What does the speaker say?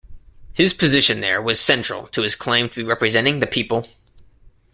His position there was central to his claim to be representing the people.